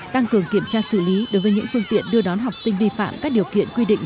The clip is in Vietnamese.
tăng cường kiểm tra xử lý đối với những phương tiện đưa đón học sinh vi phạm các điều kiện quy định